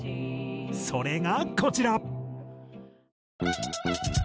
それがこちら。